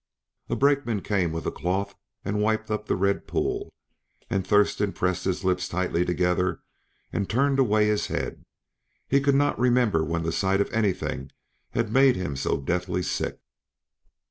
A brakeman came with a cloth and wiped up the red pool, and Thurston pressed his lips tightly together and turned away his head; he could not remember when the sight of anything had made him so deathly sick.